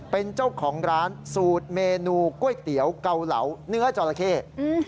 เป็นเจ้าของร้านสูตรเมนูก๋วยเตี๋ยวเกาเหลาเนื้อจอราเข้